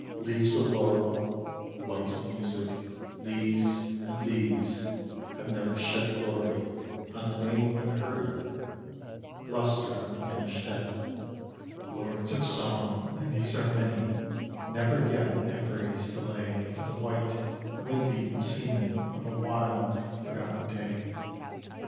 Leaves of laurel, lights of music these and these have never shed Glory on the name unheard of, lustre on the vanished head. Lords of song, and these are many, never yet have raised the lay For the white, wind beaten seaman of a wild, forgotten day.